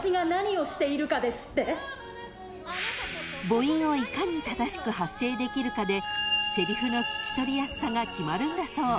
［母音をいかに正しく発声できるかでせりふの聞き取りやすさが決まるんだそう］